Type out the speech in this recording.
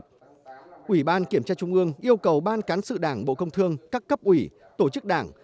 tổ chức đảng ủy ban kiểm tra trung ương yêu cầu ban cán sự đảng bộ công thương các cấp ủy tổ chức đảng